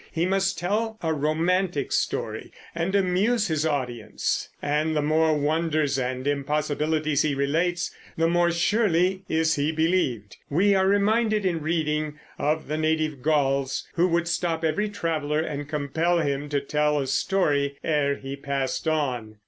He must tell a romantic story and amuse his audience; and the more wonders and impossibilities he relates, the more surely is he believed. We are reminded, in reading, of the native Gauls, who would stop every traveler and compel him to tell a story ere he passed on.